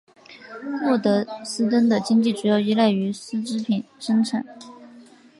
沃德斯登的经济主要依赖于丝织品生产。